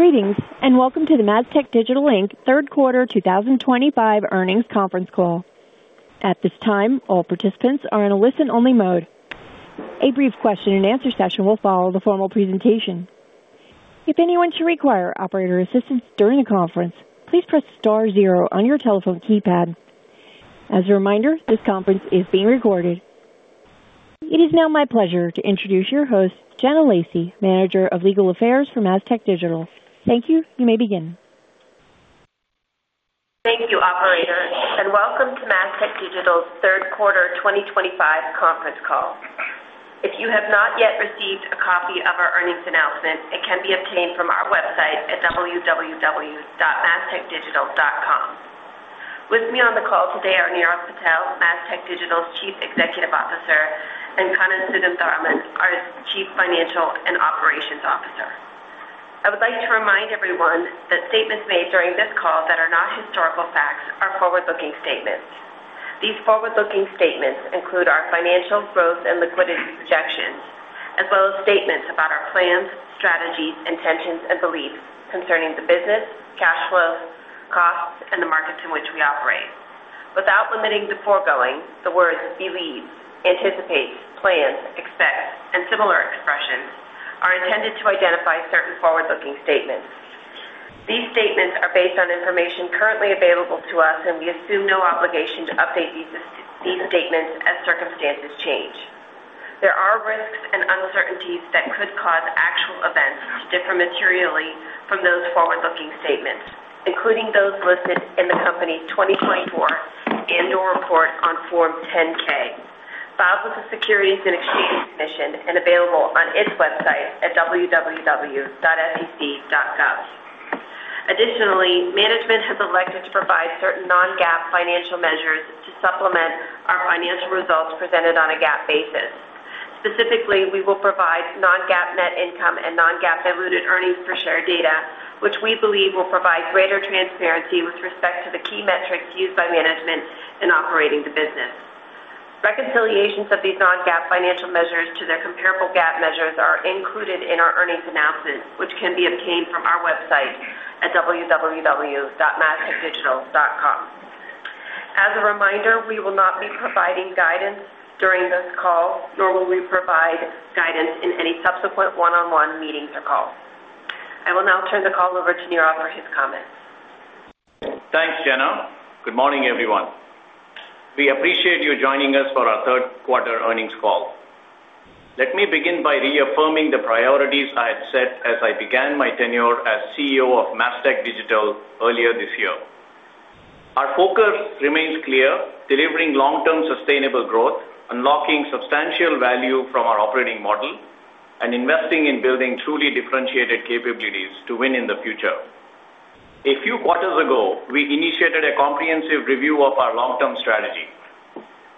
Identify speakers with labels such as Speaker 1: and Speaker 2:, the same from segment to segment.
Speaker 1: Greetings and welcome to the Mastech Digital third quarter 2025 Earnings Conference Call. At this time, all participants are in a listen-only mode. A brief question-and-answer session will follow the formal presentation. If anyone should require operator assistance during the conference, please press star zero on your telephone keypad. As a reminder, this conference is being recorded. It is now my pleasure to introduce your host, Jenna Lacey, Manager of Legal Affairs for Mastech Digital. Thank you. You may begin.
Speaker 2: Thank you, operators, and welcome to Mastech Digital's Third Quarter 2025 Conference Call. If you have not yet received a copy of our earnings announcement, it can be obtained from our website at www.mastechdigital.com. With me on the call today are Nirav Patel, Mastech Digital's Chief Executive Officer, and Kannan Sugantharaman, our Chief Financial and Operations Officer. I would like to remind everyone that statements made during this call that are not historical facts are forward-looking statements. These forward-looking statements include our financial growth and liquidity projections, as well as statements about our plans, strategies, intentions, and beliefs concerning the business, cash flow, costs, and the markets in which we operate. Without limiting the foregoing, the words "believe," "anticipate," "plan," "expect," and similar expressions are intended to identify certain forward-looking statements. These statements are based on information currently available to us, and we assume no obligation to update these statements as circumstances change. There are risks and uncertainties that could cause actual events to differ materially from those forward-looking statements, including those listed in the company's 2024 annual report on Form 10-K, filed with the U.S. Securities and Exchange Commission and available on its website at www.sec.gov. Additionally, management has elected to provide certain non-GAAP financial measures to supplement our financial results presented on a GAAP basis. Specifically, we will provide non-GAAP net income and non-GAAP diluted earnings per share data, which we believe will provide greater transparency with respect to the key metrics used by management in operating the business. Reconciliations of these non-GAAP financial measures to their comparable GAAP measures are included in our earnings announcement, which can be obtained from our website at www.mastechdigital.com. As a reminder, we will not be providing guidance during this call, nor will we provide guidance in any subsequent one-on-one meetings or calls. I will now turn the call over to Nirav for his comments.
Speaker 3: Thanks, Jenna. Good morning, everyone. We appreciate your joining us for our third quarter earnings call. Let me begin by reaffirming the priorities I had set as I began my tenure as CEO of Mastech Digital earlier this year. Our focus remains clear: delivering long-term sustainable growth, unlocking substantial value from our operating model, and investing in building truly differentiated capabilities to win in the future. A few quarters ago, we initiated a comprehensive review of our long-term strategy.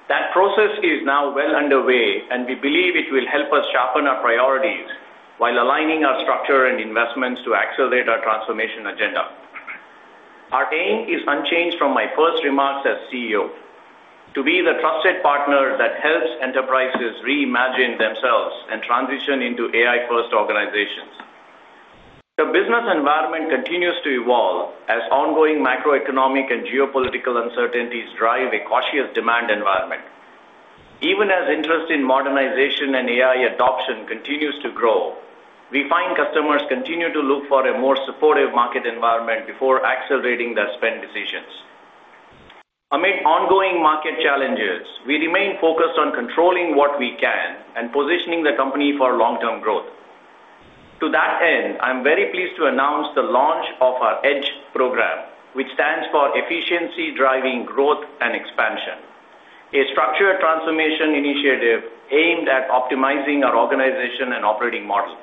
Speaker 3: That process is now well underway, and we believe it will help us sharpen our priorities while aligning our structure and investments to accelerate our transformation agenda. Our aim is unchanged from my first remarks as CEO: to be the trusted partner that helps enterprises reimagine themselves and transition into AI-first organizations. The business environment continues to evolve as ongoing macroeconomic and geopolitical uncertainties drive a cautious demand environment. Even as interest in modernization and AI adoption continues to grow, we find customers continue to look for a more supportive market environment before accelerating their spend decisions. Amid ongoing market challenges, we remain focused on controlling what we can and positioning the company for long-term growth. To that end, I'm very pleased to announce the launch of our EDGE program, which stands for Efficiency Driving Growth and Expansion, a structural transformation initiative aimed at optimizing our organization and operating model.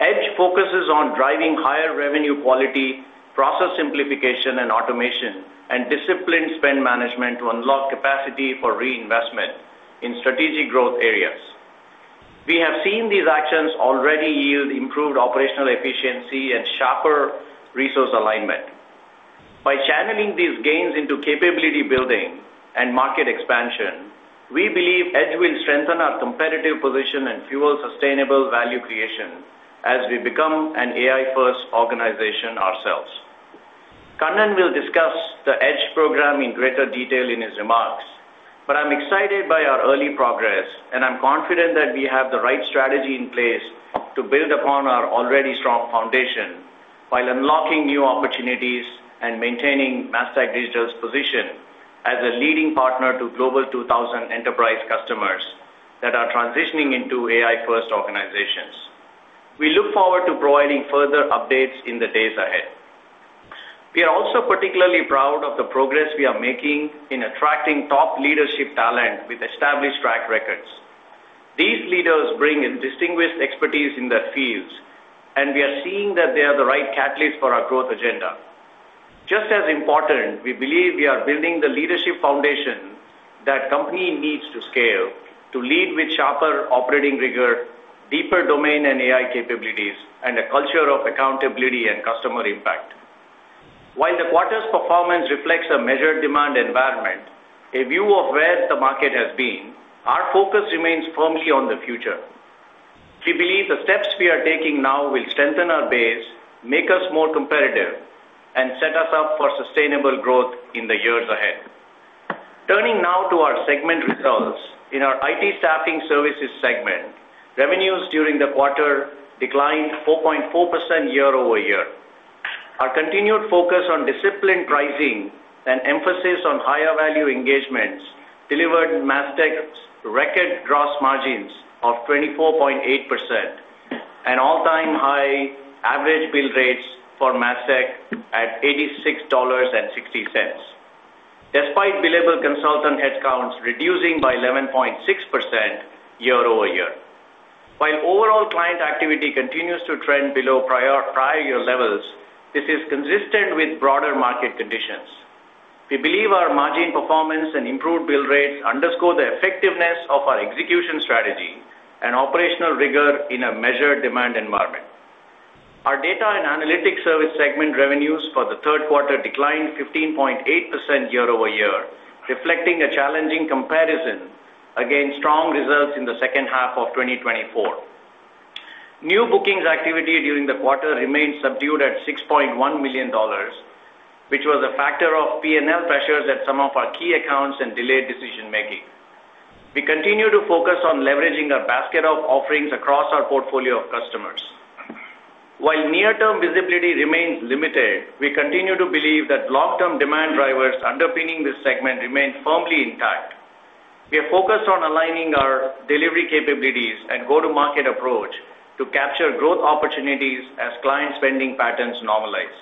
Speaker 3: EDGE focuses on driving higher revenue quality, process simplification and automation, and disciplined spend management to unlock capacity for reinvestment in strategic growth areas. We have seen these actions already yield improved operational efficiency and sharper resource alignment. By channeling these gains into capability building and market expansion, we believe EDGE will strengthen our competitive position and fuel sustainable value creation as we become an AI-first organization ourselves. Kannan will discuss the EDGE Program in greater detail in his remarks, but I'm excited by our early progress, and I'm confident that we have the right strategy in place to build upon our already strong foundation while unlocking new opportunities and maintaining Mastech Digital's position as a leading partner to Global 2000 enterprise customers that are transitioning into AI-first organizations. We look forward to providing further updates in the days ahead. We are also particularly proud of the progress we are making in attracting top leadership talent with established track records. These leaders bring a distinguished expertise in their fields, and we are seeing that they are the right catalyst for our growth agenda. Just as important, we believe we are building the leadership foundation that the company needs to scale to lead with sharper operating rigor, deeper domain and AI capabilities, and a culture of accountability and customer impact. While the quarter's performance reflects a measured demand environment, a view of where the market has been, our focus remains firmly on the future. We believe the steps we are taking now will strengthen our base, make us more competitive, and set us up for sustainable growth in the years ahead. Turning now to our segment results, in our IT Staffing Services segment, revenues during the quarter declined 4.4% year-over-year. Our continued focus on disciplined pricing and emphasis on higher value engagements delivered Mastech Digital's record gross margins of 24.8% and all-time high average bill rates for Mastech Digital at $86.60, despite billable consultant headcounts reducing by 11.6% year-over-year. While overall client activity continues to trend below prior year levels, this is consistent with broader market conditions. We believe our margin performance and improved bill rates underscore the effectiveness of our execution strategy and operational rigor in a measured demand environment. Our Data and Analytics Services segment revenues for the third quarter declined 15.8% year-over-year, reflecting a challenging comparison against strong results in the second half of 2024. New bookings activity during the quarter remained subdued at $6.1 million, which was a factor of P&L pressures at some of our key accounts and delayed decision-making. We continue to focus on leveraging our basket of offerings across our portfolio of customers. While near-term visibility remains limited, we continue to believe that long-term demand drivers underpinning this segment remain firmly intact. We are focused on aligning our delivery capabilities and go-to-market approach to capture growth opportunities as client spending patterns normalize.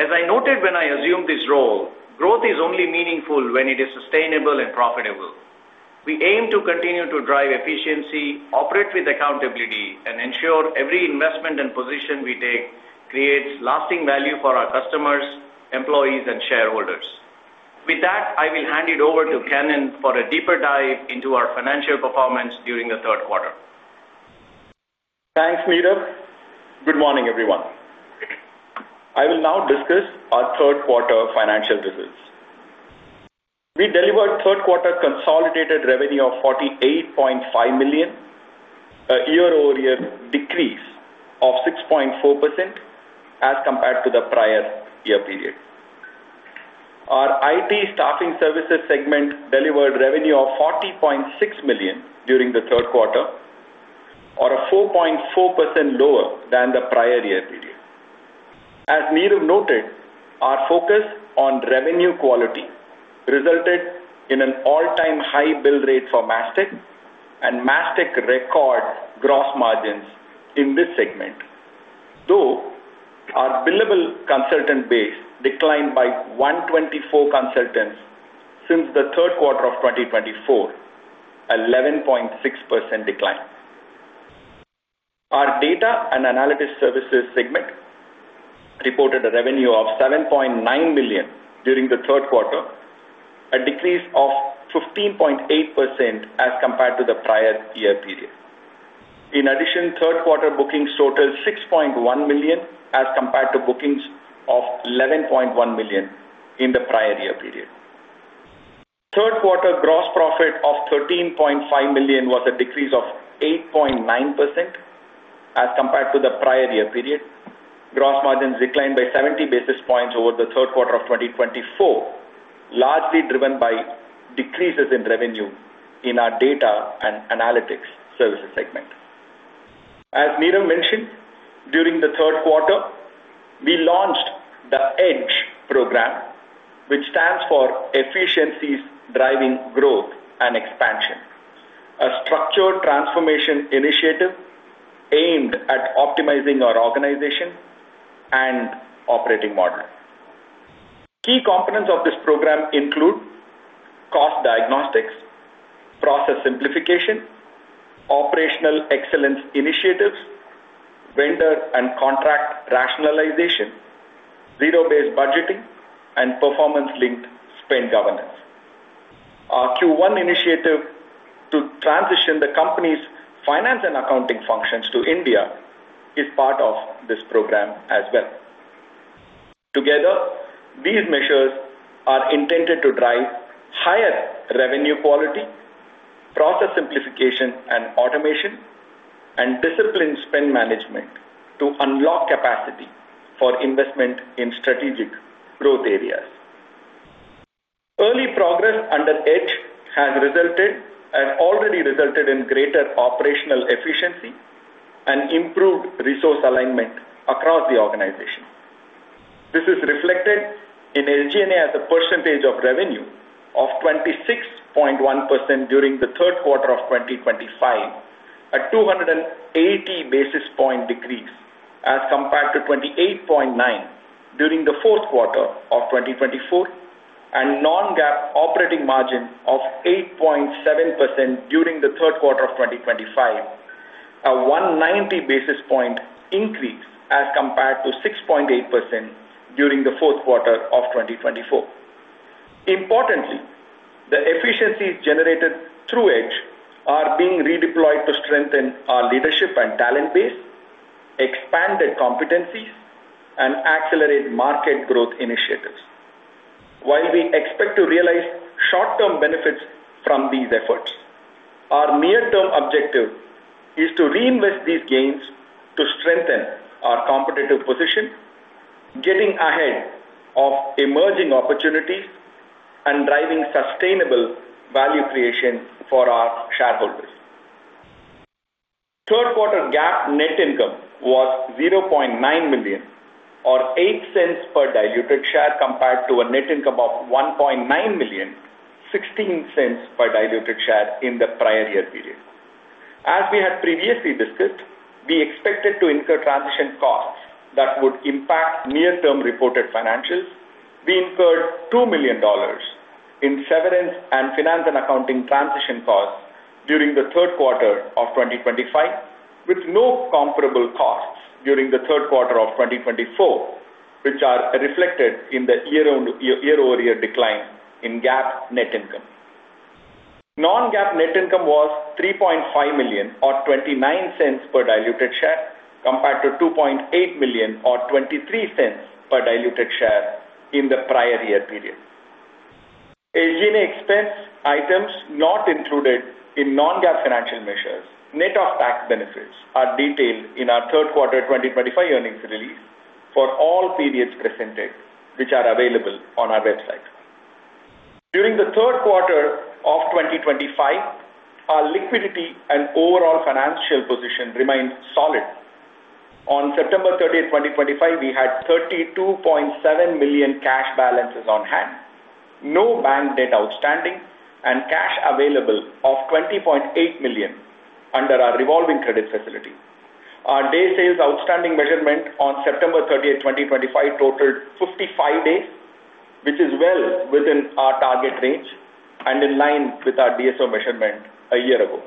Speaker 3: As I noted when I assumed this role, growth is only meaningful when it is sustainable and profitable. We aim to continue to drive efficiency, operate with accountability, and ensure every investment and position we take creates lasting value for our customers, employees, and shareholders. With that, I will hand it over to Kannan for a deeper dive into our financial performance during the third quarter.
Speaker 4: Thanks, Nirav. Good morning, everyone. I will now discuss our third quarter financial results. We delivered third quarter consolidated revenue of $48.5 million, a year-over-year decrease of 6.4% as compared to the prior year period. Our IT Staffing Services segment delivered revenue of $40.6 million during the third quarter, or 4.4% lower than the prior year period. As Nirav noted, our focus on revenue quality resulted in an all-time high bill rate for Mastech and Mastech-record gross margins in this segment, though our billable consultant base declined by 124 consultants since the third quarter of 2024, an 11.6% decline. Our Data and Analytics Services segment reported a revenue of $7.9 million during the third quarter, a decrease of 15.8% as compared to the prior year period. In addition, third quarter bookings totaled $6.1 million as compared to bookings of $11.1 million in the prior year period. Third Quarter gross profit of $13.5 million was a decrease of 8.9% as compared to the prior year period. Gross margins declined by 70 basis points over the Third Quarter of 2024, largely driven by decreases in revenue in our Data and Analytics Services segment. As Nirav mentioned, during the Third Quarter, we launched the EDGE Program, which stands for Efficiencies Driving Growth and Expansion, a structured transformation initiative aimed at optimizing our organization and operating model. Key components of this program include cost diagnostics, process simplification, operational excellence initiatives, vendor and contract rationalization, zero-based budgeting, and performance-linked spend governance. Our Q1 initiative to transition the company's finance and accounting functions to India is part of this program as well. Together, these measures are intended to drive higher revenue quality, process simplification and automation, and disciplined spend management to unlock capacity for investment in strategic growth areas. Early progress under EDGE has resulted and already resulted in greater operational efficiency and improved resource alignment across the organization. This is reflected in SG&A as a percentage of revenue of 26.1% during the third quarter of 2025, a 280 basis point decrease as compared to 28.9% during the fourth quarter of 2024, and non-GAAP operating margin of 8.7% during the third quarter of 2025, a 190 basis point increase as compared to 6.8% during the fourth quarter of 2024. Importantly, the efficiencies generated through EDGE are being redeployed to strengthen our leadership and talent base, expand the competencies, and accelerate market growth initiatives. While we expect to realize short-term benefits from these efforts, our near-term objective is to reinvest these gains to strengthen our competitive position, getting ahead of emerging opportunities, and driving sustainable value creation for our shareholders. Third Quarter GAAP net income was $0.9 million, or 8 cents per diluted share, compared to a net income of $1.9 million, 16 cents per diluted share in the prior year period. As we had previously discussed, we expected to incur transition costs that would impact near-term reported financials. We incurred $2 million in severance and finance and accounting transition costs during the Third Quarter of 2025, with no comparable costs during the Third Quarter of 2024, which are reflected in the year-over-year decline in GAAP net income. Non-GAAP net income was $3.5 million, or 29 cents per diluted share, compared to $2.8 million, or 23 cents per diluted share in the prior year period. SG&A expense items not included in non-GAAP financial measures, net of tax benefits, are detailed in our Third Quarter 2025 earnings release for all periods presented, which are available on our website. During the Third Quarter of 2025, our liquidity and overall financial position remained solid. On September 30, 2025, we had $32.7 million cash balances on hand, no bank debt outstanding, and cash available of $20.8 million under our revolving credit facility. Our days sales outstanding measurement on September 30, 2025, totaled 55 days, which is well within our target range and in line with our DSO measurement a year ago.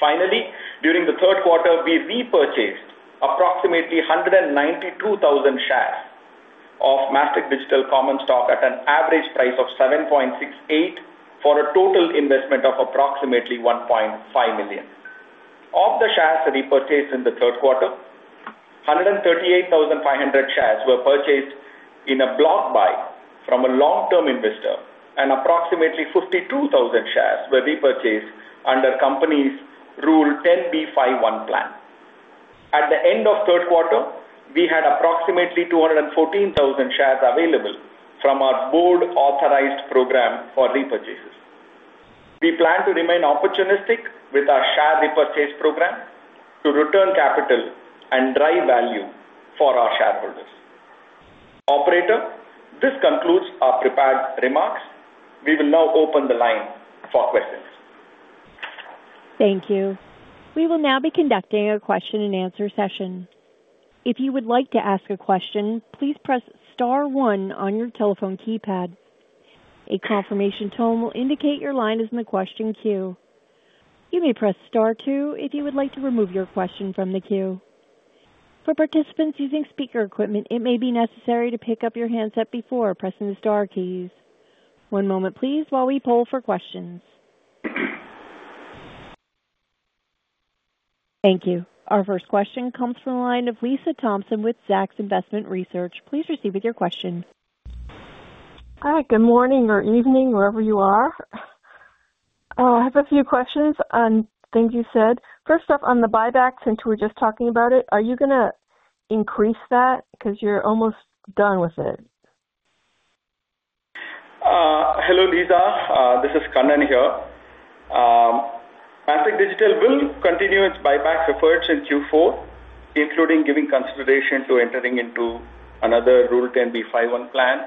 Speaker 4: Finally, during the Third Quarter, we repurchased approximately 192,000 shares of Mastech Digital common stock at an average price of $7.68 for a total investment of approximately $1.5 million. Of the shares repurchased in the Third Quarter, 138,500 shares were purchased in a block buy from a long-term investor, and approximately 52,000 shares were repurchased under the company's Rule 10b5-1 plan. At the end of Third Quarter, we had approximately 214,000 shares available from our board-authorized program for repurchases. We plan to remain opportunistic with our share repurchase program to return capital and drive value for our shareholders. Operator, this concludes our prepared remarks. We will now open the line for questions.
Speaker 1: Thank you. We will now be conducting a question-and-answer session. If you would like to ask a question, please press Star 1 on your telephone keypad. A confirmation tone will indicate your line is in the question queue. You may press Star 2 if you would like to remove your question from the queue. For participants using speaker equipment, it may be necessary to pick up your handset before pressing the Star keys. One moment, please, while we poll for questions. Thank you. Our first question comes from the line of Lisa Thompson with Zacks Investment Research. Please proceed with your question.
Speaker 5: Hi. Good morning or evening, wherever you are. I have a few questions on things you said. First off, on the buyback, since we're just talking about it, are you going to increase that because you're almost done with it?
Speaker 4: Hello, Lisa. This is Kannan here. Mastech Digital will continue its buyback efforts in Q4, including giving consideration to entering into another Rule 10b5-1 plan.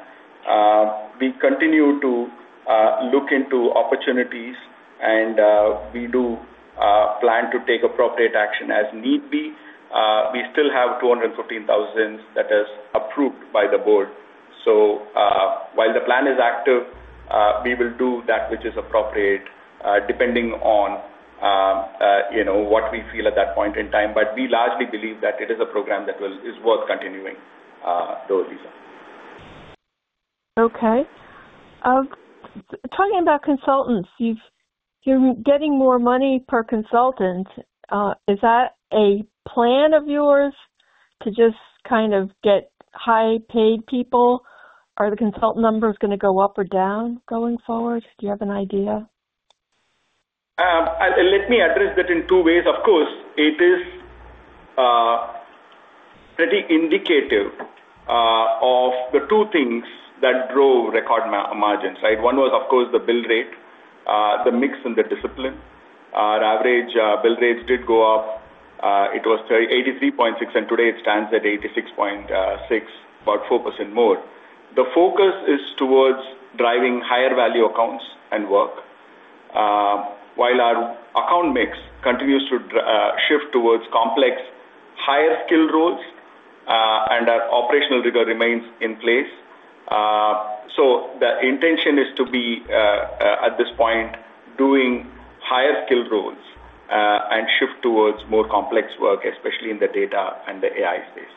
Speaker 4: We continue to look into opportunities, and we do plan to take appropriate action as need be. We still have 214,000 that is approved by the board. While the plan is active, we will do that which is appropriate depending on what we feel at that point in time. We largely believe that it is a program that is worth continuing, though, Lisa.
Speaker 5: Okay. Talking about consultants, you're getting more money per consultant. Is that a plan of yours to just kind of get high-paid people? Are the consultant numbers going to go up or down going forward? Do you have an idea?
Speaker 4: Let me address that in two ways. Of course, it is pretty indicative of the two things that drove record margins, right? One was, of course, the bill rate, the mix, and the discipline. Our average bill rates did go up. It was $83.6, and today it stands at $86.6, about 4% more. The focus is towards driving higher value accounts and work, while our account mix continues to shift towards complex higher-skill roles, and our operational rigor remains in place. The intention is to be, at this point, doing higher-skill roles and shift towards more complex work, especially in the data and the AI space.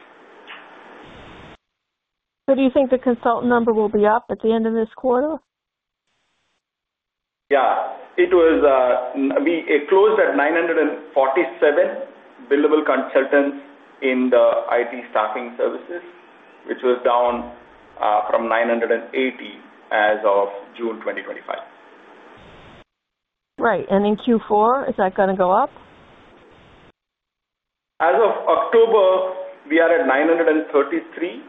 Speaker 5: Do you think the consultant number will be up at the end of this quarter?
Speaker 4: Yeah. It closed at 947 billable consultants in the IT Staffing Services, which was down from 980 as of June 2025.
Speaker 5: Right. In Q4, is that going to go up?
Speaker 4: As of October, we are at 933.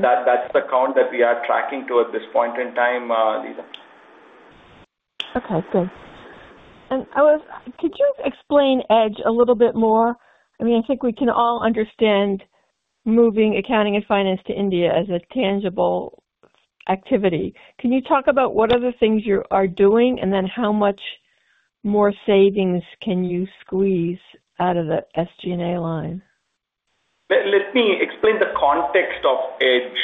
Speaker 4: That's the count that we are tracking to at this point in time, Lisa.
Speaker 5: Okay. Good. Could you explain EDGE a little bit more? I mean, I think we can all understand moving accounting and finance to India as a tangible activity. Can you talk about what other things you are doing and then how much more savings can you squeeze out of the SG&A line?
Speaker 4: Let me explain the context of EDGE,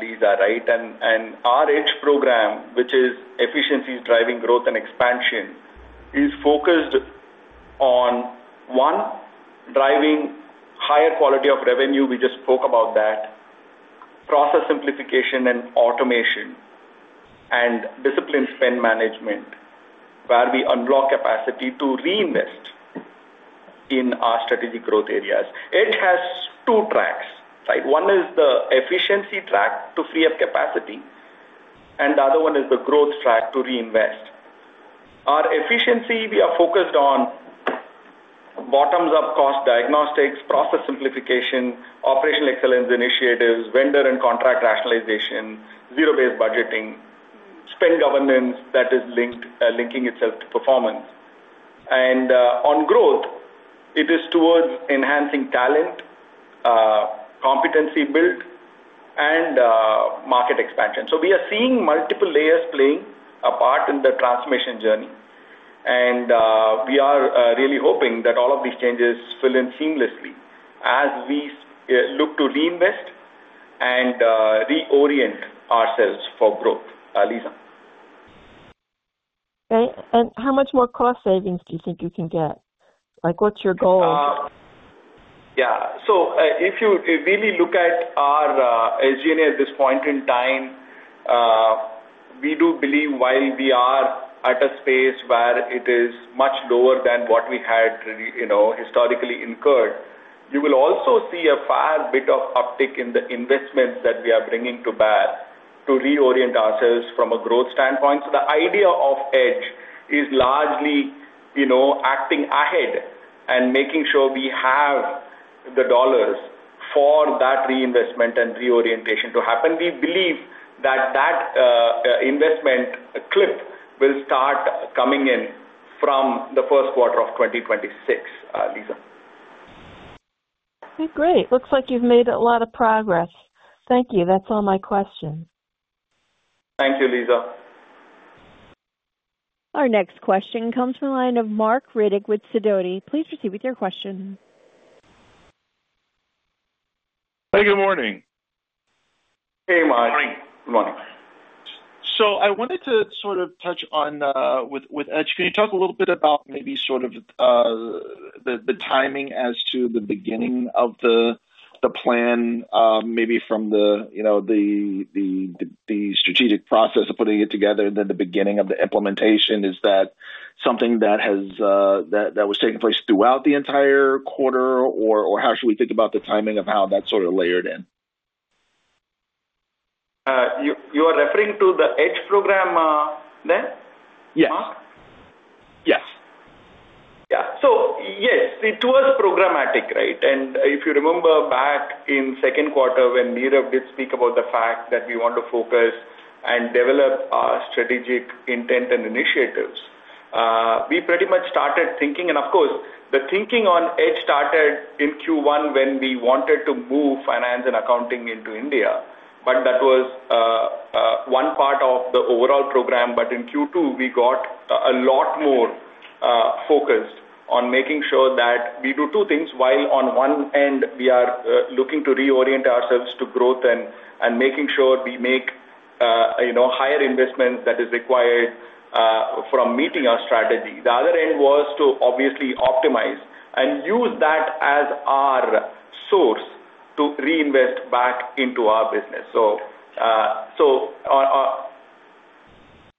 Speaker 4: Lisa, right? And our EDGE program, which is Efficiencies Driving Growth and Expansion, is focused on, one, driving higher quality of revenue. We just spoke about that, process simplification and automation, and discipline spend management, where we unlock capacity to reinvest in our strategic growth areas. It has two tracks, right? One is the efficiency track to free up capacity, and the other one is the growth track to reinvest. Our efficiency, we are focused on bottoms-up cost diagnostics, process simplification, operational excellence initiatives, vendor and contract rationalization, zero-based budgeting, spend governance that is linking itself to performance. And on growth, it is towards enhancing talent, competency build, and market expansion. We are seeing multiple layers playing a part in the transformation journey, and we are really hoping that all of these changes fill in seamlessly as we look to reinvest and reorient ourselves for growth, Lisa.
Speaker 5: Right. How much more cost savings do you think you can get? What's your goal?
Speaker 4: Yeah. So if you really look at our SG&A at this point in time, we do believe while we are at a space where it is much lower than what we had historically incurred, you will also see a fair bit of uptick in the investments that we are bringing to bear to reorient ourselves from a growth standpoint. The idea of EDGE is largely acting ahead and making sure we have the dollars for that reinvestment and reorientation to happen. We believe that that investment clip will start coming in from the first quarter of 2026, Lisa.
Speaker 5: Okay. Great. Looks like you've made a lot of progress. Thank you. That's all my questions.
Speaker 4: Thank you, Lisa.
Speaker 1: Our next question comes from the line of Marc Riddick with Sidoti. Please proceed with your question.
Speaker 6: Hey, good morning.
Speaker 4: Hey, Mike.
Speaker 6: Morning.
Speaker 4: Good morning.
Speaker 6: I wanted to sort of touch on with EDGE, can you talk a little bit about maybe sort of the timing as to the beginning of the plan, maybe from the strategic process of putting it together and then the beginning of the implementation? Is that something that was taking place throughout the entire quarter, or how should we think about the timing of how that's sort of layered in?
Speaker 4: You are referring to the EDGE Program, then?
Speaker 6: Yes.
Speaker 4: Mark?
Speaker 6: Yes.
Speaker 4: Yeah. Yes, it was programmatic, right? If you remember back in second quarter when Nirav did speak about the fact that we want to focus and develop our strategic intent and initiatives, we pretty much started thinking. The thinking on EDGE started in Q1 when we wanted to move finance and accounting into India, but that was one part of the overall program. In Q2, we got a lot more focused on making sure that we do two things. While on one end, we are looking to reorient ourselves to growth and making sure we make higher investments that are required from meeting our strategy, the other end was to obviously optimize and use that as our source to reinvest back into our business. Yeah,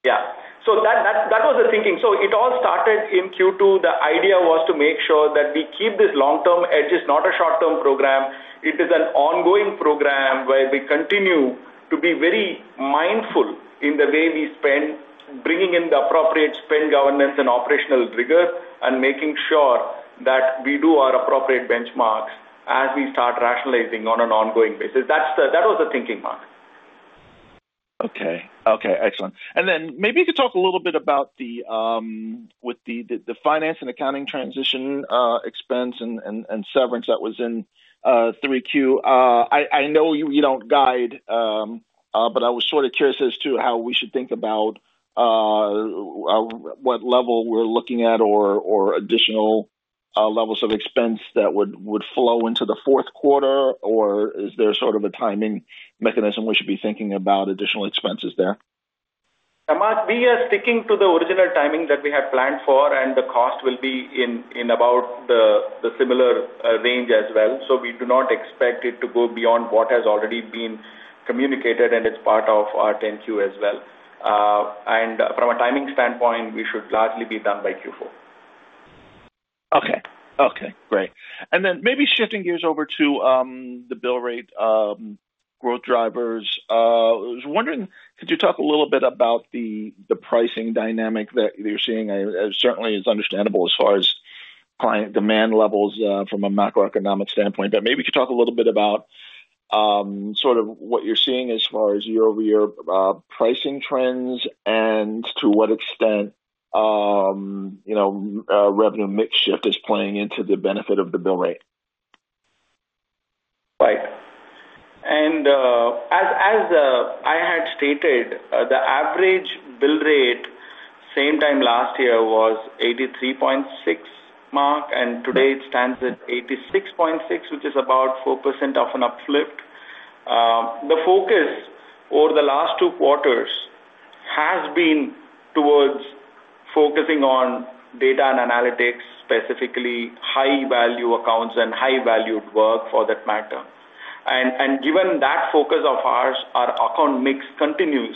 Speaker 4: that was the thinking. It all started in Q2. The idea was to make sure that we keep this long-term EDGE, it's not a short-term program. It is an ongoing program where we continue to be very mindful in the way we spend, bringing in the appropriate spend governance and operational rigor and making sure that we do our appropriate benchmarks as we start rationalizing on an ongoing basis. That was the thinking, Mark.
Speaker 6: Okay. Okay. Excellent. Maybe you could talk a little bit about the finance and accounting transition expense and severance that was in Q3. I know you do not guide, but I was sort of curious as to how we should think about what level we are looking at or additional levels of expense that would flow into the fourth quarter, or is there sort of a timing mechanism we should be thinking about additional expenses there?
Speaker 4: We are sticking to the original timing that we had planned for, and the cost will be in about the similar range as well. We do not expect it to go beyond what has already been communicated, and it's part of our 10-Q as well. From a timing standpoint, we should largely be done by Q4.
Speaker 6: Okay. Okay. Great. Maybe shifting gears over to the bill rate growth drivers, I was wondering, could you talk a little bit about the pricing dynamic that you're seeing? It certainly is understandable as far as client demand levels from a macroeconomic standpoint, but maybe you could talk a little bit about sort of what you're seeing as far as year-over-year pricing trends and to what extent revenue mix shift is playing into the benefit of the bill rate.
Speaker 4: Right. As I had stated, the average bill rate same time last year was $83.6, Mark, and today it stands at $86.6, which is about 4% of an upflip. The focus over the last two quarters has been towards focusing on Data and Analytics, specifically high-value accounts and high-valued work for that matter. Given that focus of ours, our account mix continues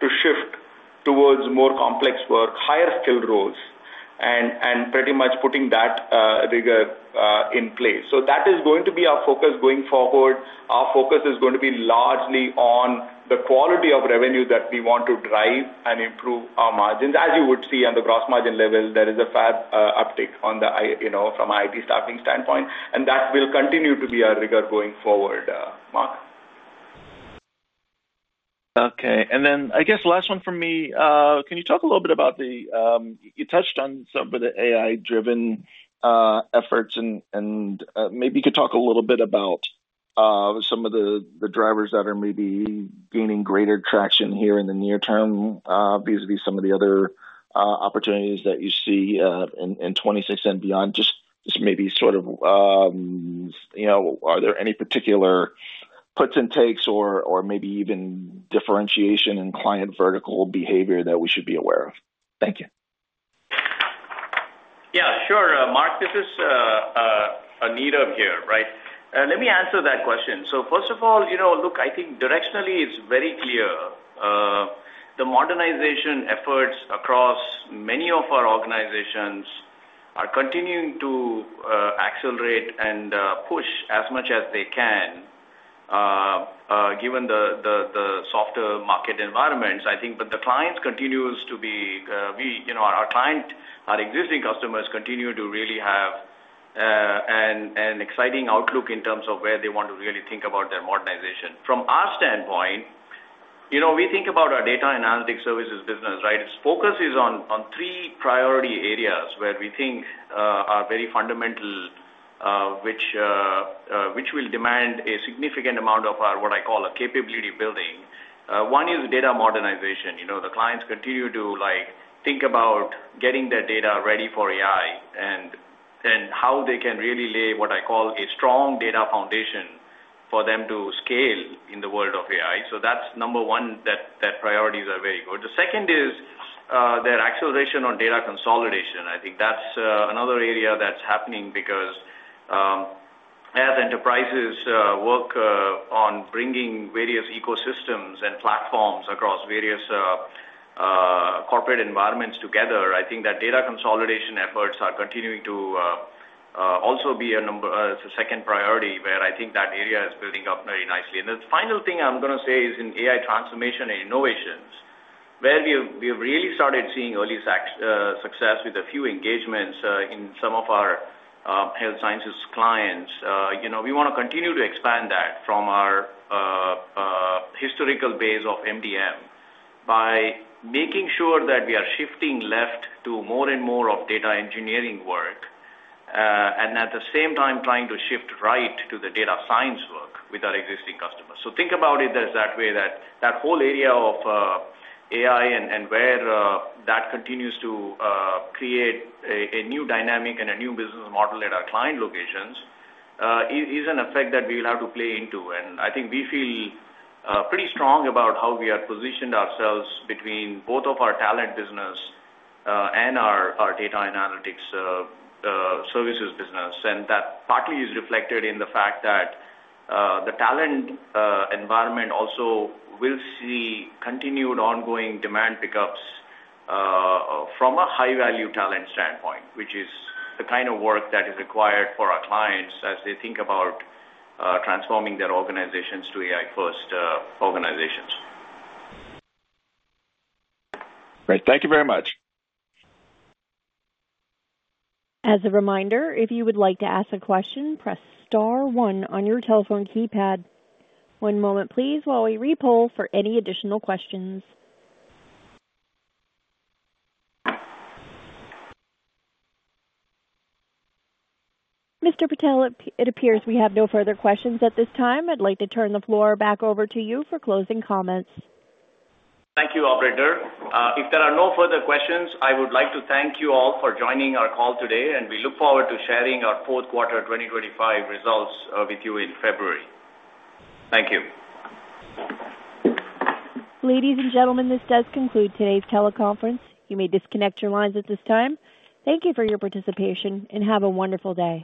Speaker 4: to shift towards more complex work, higher-skilled roles, and pretty much putting that rigor in place. That is going to be our focus going forward. Our focus is going to be largely on the quality of revenue that we want to drive and improve our margins. As you would see on the gross margin level, there is a fair uptick from an IT Staffing Services standpoint, and that will continue to be our rigor going forward, Mark.
Speaker 6: Okay. I guess last one from me, can you talk a little bit about the—you touched on some of the AI-driven efforts, and maybe you could talk a little bit about some of the drivers that are maybe gaining greater traction here in the near term vis-à-vis some of the other opportunities that you see in 2026 and beyond? Just maybe sort of are there any particular puts and takes or maybe even differentiation in client vertical behavior that we should be aware of? Thank you.
Speaker 3: Yeah. Sure. Mark, this is Nirav here, right? Let me answer that question. First of all, look, I think directionally, it's very clear. The modernization efforts across many of our organizations are continuing to accelerate and push as much as they can given the softer market environments, I think. The clients continue to be our client, our existing customers continue to really have an exciting outlook in terms of where they want to really think about their modernization. From our standpoint, we think about our Data and Analytics Services business, right? Its focus is on three priority areas where we think are very fundamental, which will demand a significant amount of our, what I call, capability building. One is data modernization. The clients continue to think about getting their data ready for AI and how they can really lay what I call a strong data foundation for them to scale in the world of AI. That is number one, that priorities are very good. The second is their acceleration on data consolidation. I think that is another area that is happening because as enterprises work on bringing various ecosystems and platforms across various corporate environments together, I think that data consolidation efforts are continuing to also be a second priority where I think that area is building up very nicely. The final thing I'm going to say is in AI transformation and innovations, where we have really started seeing early success with a few engagements in some of our health sciences clients, we want to continue to expand that from our historical base of MDM by making sure that we are shifting left to more and more of data engineering work and at the same time trying to shift right to the data science work with our existing customers. Think about it as that way that that whole area of AI and where that continues to create a new dynamic and a new business model at our client locations is an effect that we will have to play into. I think we feel pretty strong about how we are positioned ourselves between both of our talent business and our Data and Analytics Services business. That partly is reflected in the fact that the talent environment also will see continued ongoing demand pickups from a high-value talent standpoint, which is the kind of work that is required for our clients as they think about transforming their organizations to AI-first organizations.
Speaker 6: Great. Thank you very much.
Speaker 1: As a reminder, if you would like to ask a question, press star one on your telephone keypad. One moment, please, while we repoll for any additional questions. Mr. Patel, it appears we have no further questions at this time. I'd like to turn the floor back over to you for closing comments.
Speaker 4: Thank you, Operator. If there are no further questions, I would like to thank you all for joining our call today, and we look forward to sharing our fourth quarter 2025 results with you in February. Thank you.
Speaker 1: Ladies and gentlemen, this does conclude today's teleconference. You may disconnect your lines at this time. Thank you for your participation, and have a wonderful day.